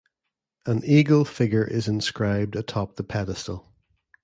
An eagle figure is inscribed atop the pedestal.